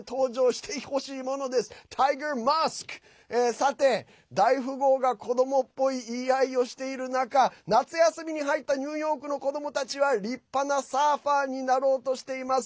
さて、大富豪が子どもっぽい言い合いをしている中夏休みに入ったニューヨークの子どもたちは立派なサーファーになろうとしています。